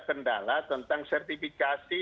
kendala tentang sertifikasi